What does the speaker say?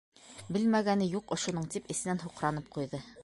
«Белмәгәне юҡ ошоноң», - тип, эсенән һуҡранып ҡуйҙы.